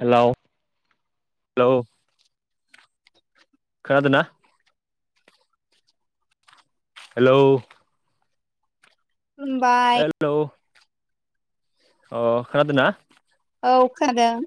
Hello hello? खादोना? Hello? खुलुमबाय। अह खोनादोना? औ खोनादों।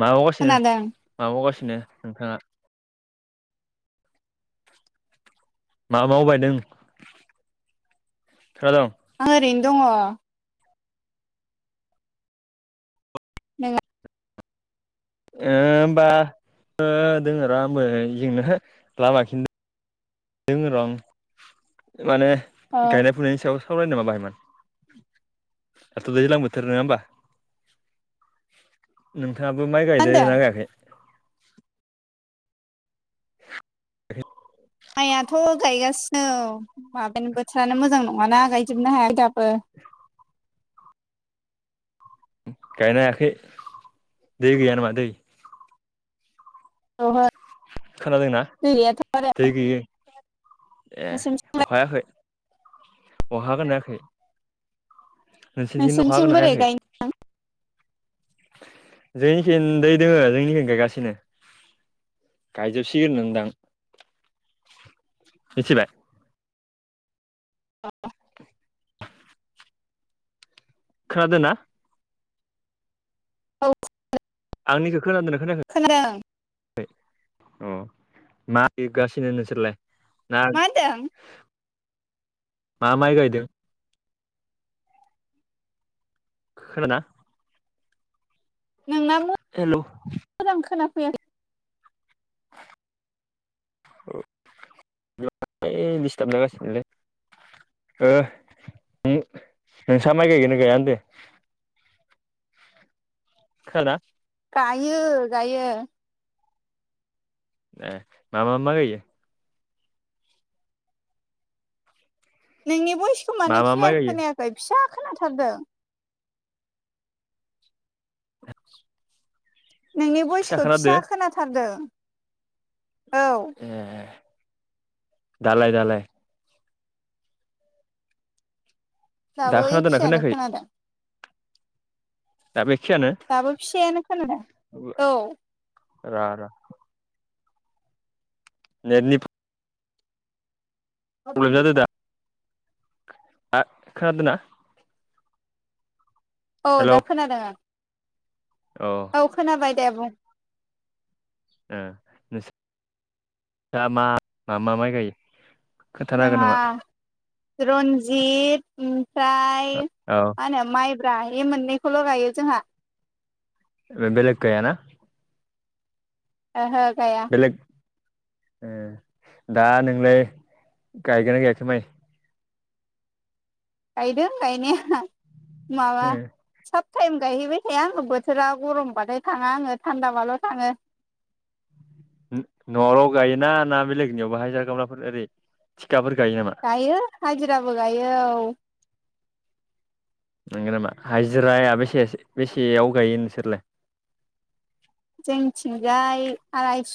मा मावगासिनो खोनादों मा मावगासिनो नोंथाङा? मा मावबायदों? आं ओरैनो दङ। मा ओ होमबा ओ दोङो र' आंबो इजोंनो लामाखि दोङो र' आं। माने गायनाय फुनायनि सायाव सावरायनो [unintelligible] दाथ' दैज्लां बोथोर नङा होमबा। नोंथाङाबो माइ गायदो होनदों ना गायाखै? [inaudible] माइयाथ' गायगासिनो औ माबायानो बोथोरानो मोजां नङाना गायजोबनो हाया दाब बो। गायनो हायाखै दै गैया नामा दै? औहो। खोनादोंना? दै गैयै। एह अखा नोंसिनिथिंलाय हायाखै? अखा हागोनना हायाखै? नोंसिनिथिं अखा नोंसोरनिथिं हागोनना बोरै हायाखै? गायनो जोंनिखै दै दोङो जोंनिखै गायगासिनो। गायजोबसिगोन नोंदां। मिथिबाय। खोनादो ना? औ। आंनिखो खोनादोना खोनादों खोनायाखै? अह मा इगासिनो नोंसोरलाय? ना मा होनदों? मा माइ गायदों? [unintelligible] नोंना हेलौ मोजां खोनाफैयाखै। [unintelligible] दिस्थाब जागासिनोलै। ओ नों नोंसा माइ गायगोना गाया होनदो? खोनादोना? गायो गायो। एह मा मा माय गायो? नोंनि भइसखौ मा मानो मा माइ क्लियार गायो खोनायाखै फिसा खोनाथारदों। [inaudible] नोंनि भयसखौ खोनादो फिसा ए खोनाथारदों। औ। दालाय दालाय दा दाबो खोनादोंना एखेयानो खोनायाखै खोनादों दा बेखियानो दाबो फिसायानो खोनादों औ र र नेटनि फ्र [unintelligible] आ खानादोना औ दा खोनादों आं ओ औ खोनाबाय दे बुं ओ नोंसा मा मा माइ गायो खोथानो हागोन जोंहा नामा रन्जित ओमफ्राय औ मा होनो माइ ब्रा बे मोननैखौल' गायो जोंहा बेलेख गायाना ओहो गाया बेलेग ए दा नोंलाय गायगोना गायाखै माय गायदों गायनाया माबा साब टाइम गायहैबाय थाया आङो बोथोरा गरमबाथाय थाङा आङो थान्दाबाल' थाङो न'आवल' गायोना ना बेलेगनियाव हाजिरा खामलाफोर ओरै थिखाफोर गायो नामा गायो हाजिराबो गायो औ नंगो नामा हाजिराया बेसे बेसेयाव गायो नोंसोरलाय जोंनिथिंजाय आरायस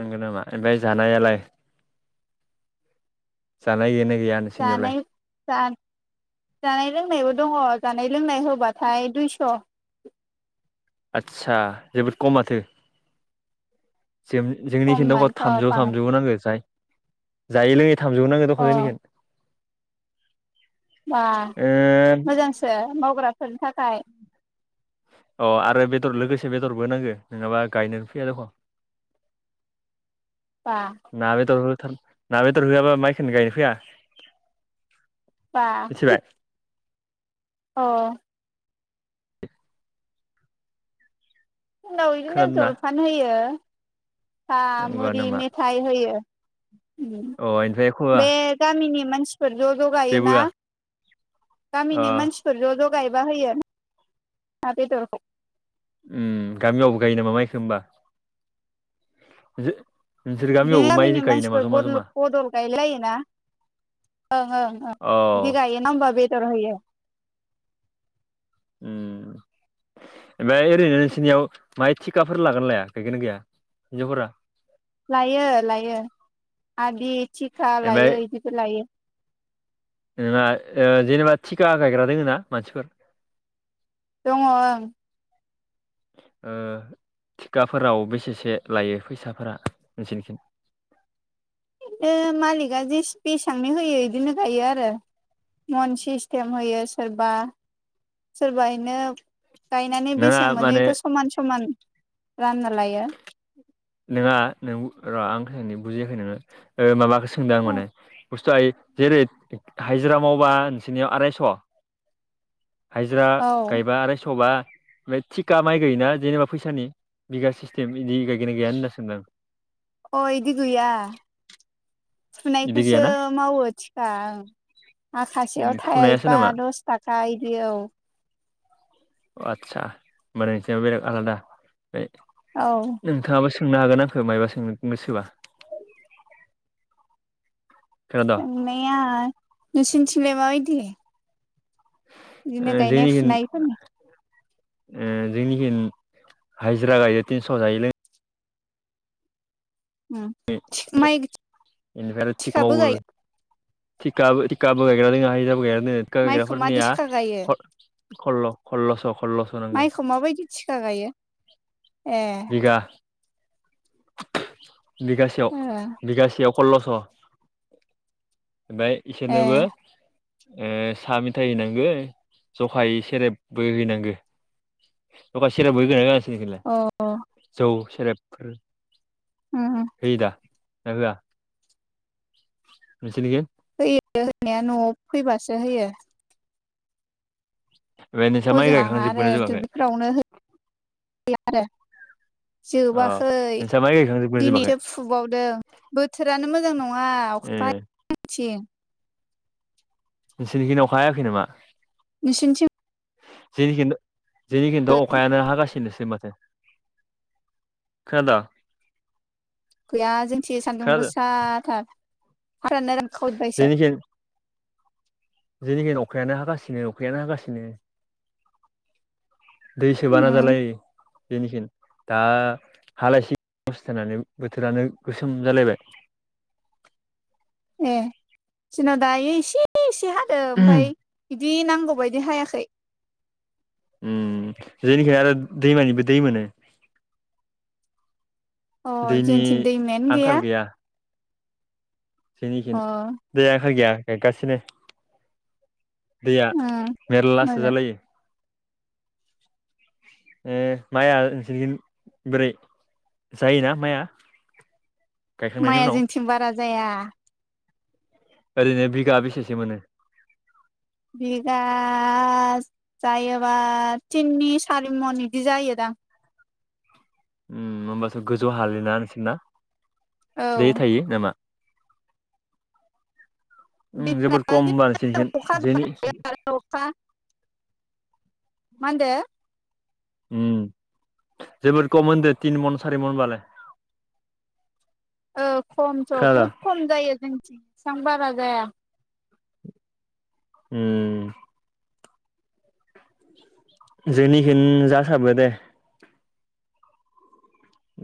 नंगौ नामा ओमफ्राय जानायालाय जानाय गैगोना गैया नोंसोरनियावलाय जानाय जानाय लोंनायबो दङ जा जानाय लोंनाय होबाथाय दुइस' आदसा जोबोद खमाथो जों जोंनि खममोन खिन्थु अ थामजौ बां थामजौ नांगौ जाय जायो लोङै थामजौ नांगोन अ दखनानिखौ बा मोजांसो मावग्राफोरनि थाखाय अ आरो बेदर लोगोसे बेदरबो नांगो नङाबा गायनो फैया दख' बा ना बेदर होथार ना बेदर होआबा माइखौनो गायनो फैया बा मिथिबाय अ उनाव बिदिनो खोनादोंना जलफान होयो सा नंगौ मुरि नामा मेथाय होयो अ ओमफ्राय खबरा बे गामिनि मानसिफोर ज ज जेबो गायोना होआ अ गामिनि मानसिफोर ज ज गायबा होयो ना बेदरखौ उ गामियावबो गायो नामा माइखो होमबा [unintelligible] बिदिनो गामियावबो माइ गामिनि गायो नामा मानसिफोर जमा बदल जमा बदल गायलायलायोना ओं ओं ओं अ बिदि गायोना होमबा बेदर होयो ओम ओमफ्राय ओरैनो नोंसोरनियाव माहाय थिखाफोर लागोन लाया गायगोन गाया हिनजावफोरा लायो लायो आदि थिखा ओमफ्राय लायो बिदिबो लायो नोंहा ओ जेनेबा थिका गायग्रा दोङो ना मानसिफोर दङ ओं ओ थिखाफोराव बेसेसो लायो फैसाफोरा नोंसोनिथिं? [inaudible] बिनो मालिकआ जे बेसबांनि होयो बिदिनो गायो आरो। मन सिस्टेम होयो सोरबा सोरब इनो गायनानै नोंहा बेसें माने मोनोथ' समान समान रानना लायो। नङा नों र' आं ख बुजियाखै नोङो माबाख सोंदों आं माने बुस्थुआ जेरै हाइजिरामावबा नोंसनियाव आरायस' हजिरा औ गायबा आर सबा ओमफ्राय थिखा माइ गाययोना जेनेबा फैसानि बिगा सिस्टेम बिदि गायोननाय गैयानो होनना सोमदों आं। अ इदि गैया बिदि फुनायखौसो गैयाना मावो थिखा आं। माखासेयाव फुनायासो थाइबा नामा दस थाखा बिदि औ। आस्सा होनबोंथि बेर आलादा औ नोंथाङाबो सोंनो हागोन आंखौ मायबा सोंनोबोसोबा खोनादों सोंनाया नोंसोरनिथिंलाय माबायदि? बिदिनो गायनाय फुनायफोरनि ओ जोंनिथिं हाजिरा गायो तिनस' जायो लोङ उम [unintelligible] माइ बेनिफ्राय आरो थिग थिखाबो मावो। गायो थिकाबो थिकाबो गायग्रा दोङ हिजाबो गायग्रा दोङो थिका माइखौ मादि गायग्राफोरनिया थिखा गायो खल्ल' कल्ल' सह माइखौ माबायदि थिखा गायो? ए बिघा बिगासेयाव ओ बिगासेयाव सल्ल'स'। ओमफफ्राय ए इसोरनोबो ओ साहा मेथायाइ हैनांगौ जखाय सेरेबबो हैनांगौ। दखा सेरेबबोै गा जांसैखैला अ जौ सेरेब उम उम। [unintelligible] [unintelligible] होयो होननायाया न'आव फैबासो होयो। ओमफ्राय नोंस्रा माइ हजों लाङा आरो गायखांजोबगोना जोबाखै दुब्लिफोरावनो होयो आरो। अ जोबाखै नोंस्रा माइ गायखांजोबगोना जोबाखै दिनैसो फुबावदों बोथोरानो मोजां नङा ए अखा गांथिं नोंसोरनिखिनि अख हायाखै नामा? नोसनथिम जेनिथु जोंनि खिन्थु अखायानो हागासिनो माथ खुनादो? गैया जोंथि सान्दुंबोसाथार फोरानो रांखावैबायसो जेखि अखायानो हागासिनो अखायानो हागासिनो दै सोबाना उम जालाय बेनिखिनो दा हालासिस्थनानै बोथोरानो गोसोम जालायबाय। [inaudible] ए जोंनाव दायो एसे एसे हादों ओफ्राय बि नांगौबायायदि हायाखै। उम जेनिखाय आरो दैमानिबो दै मोनो। अ दैनि जोंथिं दैमायानो गैया। सिनिखिन अ देयाखौ गैया नेगासिनो दैया उम मेरला सो मोजां जालायो। ओ माया [unintelligible] ब्रै जायो ना माया। माइआ जोंथिं बारा जाया। ओरैनो बिघा बेसेसो मोनो बिगा जायोबा तिननि सारि मन बिदि जायो दा। [inaudible] होमबाथ' गोजौ हालि ना नोंसोरना औ दै थायो नामा। उम दैफ्रा जोबोद खम मानोसि अखा हाबाय जनि थायो आरो माहोनदो। उम जोबोर खम होनदो तिन मन सारि मन होनबालाय। औ खमथ' बहुद खम जायो जोंथिं बेसेबां बारा जाया। उम जोंनिखौनो जासारो दे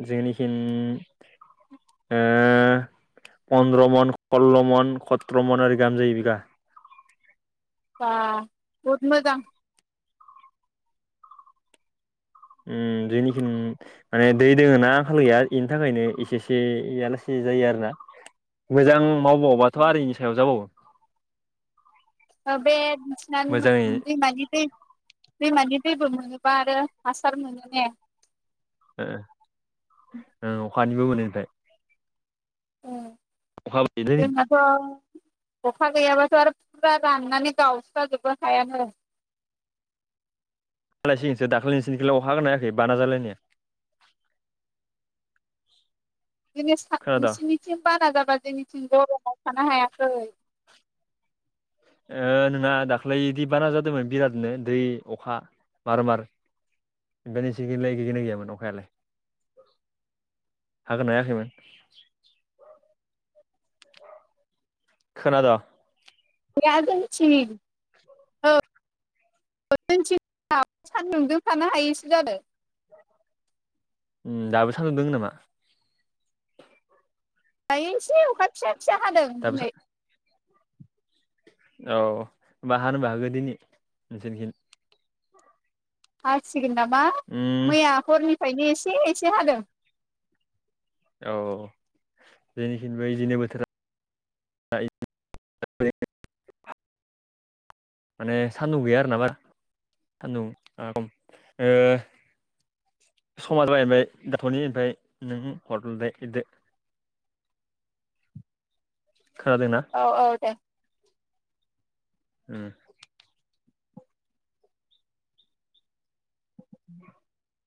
जोंनिखि ओ। पन्द्र' मन सल्ल' मन सत्र' मन आरो गामजायो बिगा। बा बहद मोजां। उम जोंनिखिनि माने दै दोङ ना आंखाल गैया बेनि थाखायनो इसेसे आलासि जायो आरोना। मोजां मावबावबाथ' आरो इनि सायाव जाबावो। [unintelligible] दैेबो मोजाङै मोनोबा आरो हासार मोनो ने? ओ अखानिबो मोनोथाय। औ आमबाथ' अखा गैयाबाथ' आरो फुरा राननानै गावस्राजोबो हायानो। हालाय सिगोनसो दाखालै नोंसोरनिथिंलाय अखा हादोंना हायाखै बाना जालायनाया। जोंनिया सा खोनादों नोंसोरनिथिं बाना जाबा जोंनिथिं गर'माव थानो हायाखै। ओ नोंना दाखालैदि बाना जादोंमोन बिरादनो दै अखा मार-मार। ओमफ्राय नोसोरनिथिंलाय गैदिना गैयामोन अखायालाय? हागोन नायाखैमोन खोनादों? गैया जोंनिथिं। [unintelligible] सानदुंजों थानो हायैसो जादों। उम दाबो सानदुं दोङो नामा? गायनोसै अखा फिसा फिसा हादों दाबो दिनै। औ अमबा हानोबो हागौ नोंसोरनिथि। हासिगोन नामा, उम मैया हरनिफ्रायनो एसे एसे हादों। औ जेनिखिनि बे बिदिनो बोथोरा [unintelligible] माने सान्दुं गैया आरोना बारा सान्दुं ओ समाजायबाय दाथ'नि ओमफ्राय नों हर लिरदो खोनादोंना? औ औ दे। उम। [inaudible]